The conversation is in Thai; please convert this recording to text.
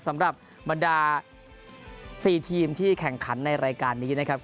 สำหรับบรรดา๔ทีมที่แข่งขันในรายการนี้นะครับ